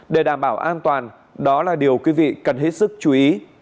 để đảm bảo an toàn đó là điều quý vị cần hết sức chú ý